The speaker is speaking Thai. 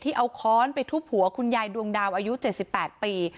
เอาค้อนไปทุบหัวคุณยายดวงดาวอายุ๗๘ปี